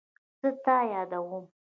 زه تا یادوم